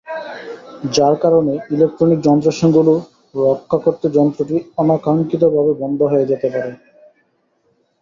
যার কারণে ইলেকট্রনিক যন্ত্রাংশগুলো রক্ষা করতে যন্ত্রটি অনাকাঙ্ক্ষিতভাবে বন্ধ হয়ে যেতে পারে।